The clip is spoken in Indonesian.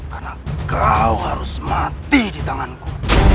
karena kau harus mati di tanganku